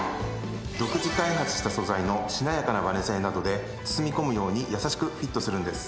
独自開発した素材のしなやかなバネ性などで包み込むように優しくフィットするんです。